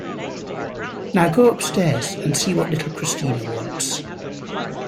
Now go upstairs and see what little Christina wants.